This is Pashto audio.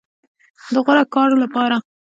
د غوره کار لپاره